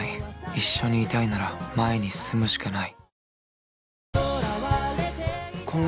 一緒にいたいなら前に進むしかない。